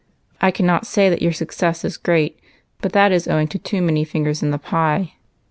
I cannot say that your success is great, but that is owing to too many fingers in the pie.